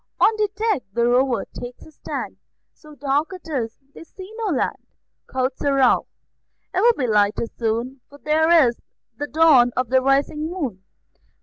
On the deck the Rover takes his stand; So dark it is, they see no land. Quoth Sir Ralph: "It will be lighter soon, For there is the dawn of the rising moon."